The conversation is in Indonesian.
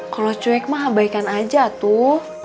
kalau cuek mah abaikan aja tuh